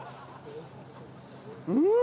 うん！